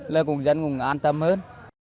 là dân cũng an tâm hơn